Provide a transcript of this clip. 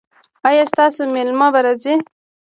ایا ستاسو میلمه به راځي؟